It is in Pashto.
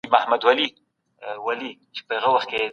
د نورو د عيبونو له بيانولو تېر سئ.